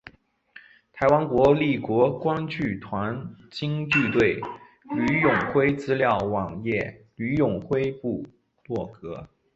台湾国立国光剧团京剧队吕永辉资料网页吕永辉部落格